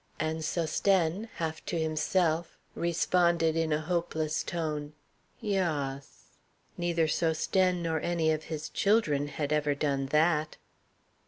And Sosthène, half to himself, responded in a hopeless tone: "Yass." Neither Sosthène nor any of his children had ever done that.